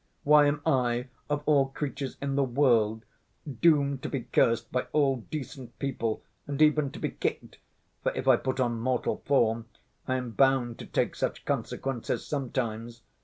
Why am I, of all creatures in the world, doomed to be cursed by all decent people and even to be kicked, for if I put on mortal form I am bound to take such consequences sometimes?